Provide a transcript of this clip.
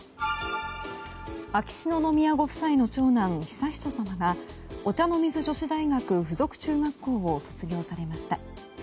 秋篠宮ご夫妻の長男悠仁さまがお茶の水女子大学附属中学校を卒業されました。